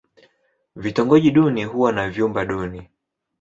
Vitongoji duni huwa na vyumba duni.